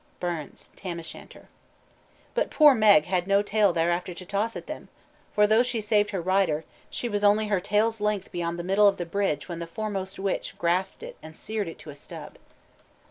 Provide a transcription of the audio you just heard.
BURNS: Tam o' Shanter. but poor Meg had no tail thereafter to toss at them, for though she saved her rider, she was only her tail's length beyond the middle of the bridge when the foremost witch grasped it and seared it to a stub.